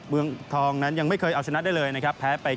เยี่ยมยังไม่เคยเอาชนะได้เลยนะครับแพ้ไป๙๙